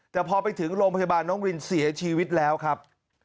แต่พอไปถึงโรงพยาบาลน้องรินเสียชีวิตแล้วครับ